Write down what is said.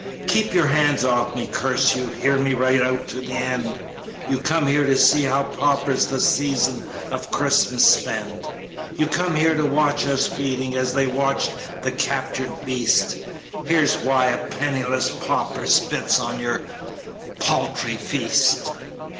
"Keep your hands off me, curse you! Hear me right out to the end. You come here to see how paupers The season of Christmas spend. You come here to watch us feeding, As they watch the captured beast. Hear why a penniless pauper Spits on your paltry feast.